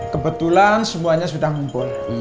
kebetulan semuanya sudah ngumpul